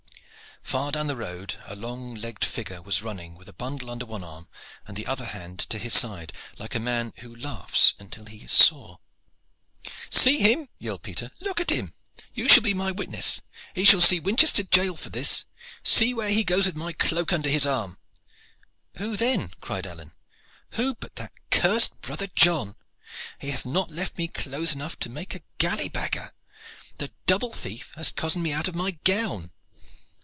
Far down the road a long legged figure was running, with a bundle under one arm and the other hand to his side, like a man who laughs until he is sore. "See him!" yelled Peter. "Look to him! You shall be my witness. He shall see Winchester jail for this. See where he goes with my cloak under his arm!" "Who then?" cried Alleyne. "Who but that cursed brother John. He hath not left me clothes enough to make a gallybagger. The double thief hath cozened me out of my gown."